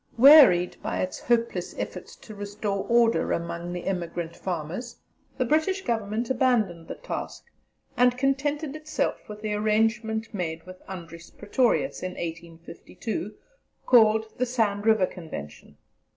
Wearied by its hopeless efforts to restore order among the emigrant farmers, the British Government abandoned the task, and contented itself with the arrangement made with Andries Pretorius, in 1852, called the Sand River Convention.